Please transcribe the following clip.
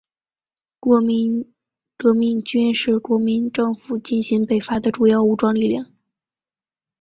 国民革命军是国民政府进行北伐的主要武装力量。